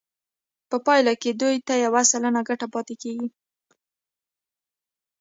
په پایله کې دوی ته یو سلنه ګټه پاتې کېږي